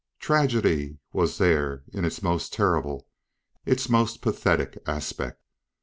Tragedy was there in its most terrible, its most pathetic, aspect.